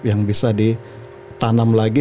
yang bisa ditanam lagi